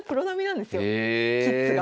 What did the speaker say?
キッズが。